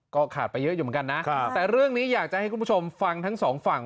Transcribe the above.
ก็ขาดไปเยอะอยู่เหมือนกันนะแต่เรื่องนี้อยากจะให้คุณผู้ชมฟังทั้งสองฝั่ง